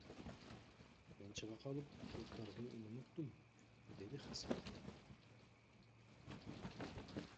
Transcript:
Мен чыга калып буттардын үндөрүн уктум, — деди Хасанов.